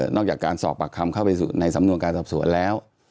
จากการสอบปากคำเข้าไปสู่ในสำนวนการสอบสวนแล้ว